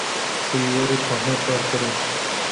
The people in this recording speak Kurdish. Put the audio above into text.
Tu yê werî tohmetbarkirin.